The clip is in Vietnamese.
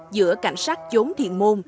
giữa cảnh sát chốn thiện môn